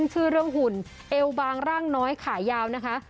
สำคัญถอดง่ายกว่า